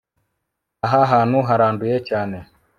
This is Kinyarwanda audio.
Aha hantu haranduye cyane